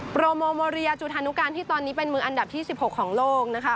โปรโมโมเรียจุธานุการที่ตอนนี้เป็นมืออันดับที่๑๖ของโลกนะคะ